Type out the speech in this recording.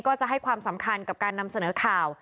ก็จะให้ความสำคัญกับการนำเสนอข่าว